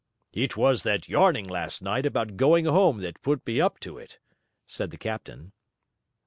'It was that yarning last night about going home that put me up to it,' said the captain.